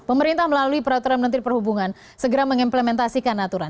pemerintah melalui peraturan menteri perhubungan segera mengimplementasikan aturan